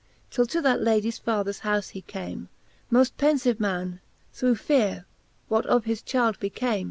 Till to that Ladies fathers houfe he came, Moft penfive man, through feare, what of his child became.